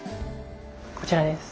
こちらです。